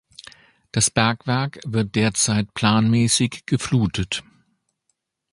Das Bergwerk wird derzeit planmäßig geflutet.